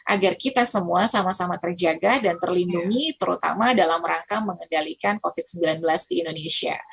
agar kita semua sama sama terjaga dan terlindungi terutama dalam rangka mengendalikan covid sembilan belas di indonesia